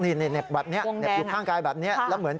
เน็บอยู่ข้างกายแบบนี้